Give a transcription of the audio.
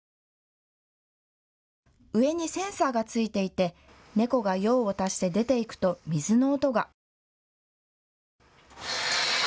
上にセンサーが付いていて猫が用を足して出て行くと水の音が。